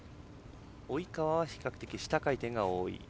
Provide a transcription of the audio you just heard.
及川は比較的下回転が多い。